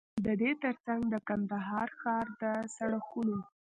ددې تر څنګ د کندهار ښار د سړکونو